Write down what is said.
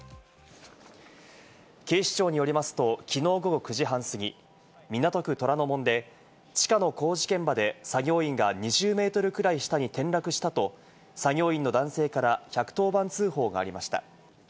警視庁によりますと、きのう午後９時半過ぎ、港区虎ノ門で地下の工事現場で作業員が２０ｍくらい下に転落したと、作業員の男性から１１０番通報がありました。